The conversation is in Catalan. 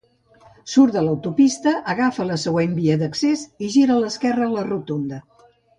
Surt de l'autopista, agafa la següent via d'accés i gira a l'esquerra a la rotonda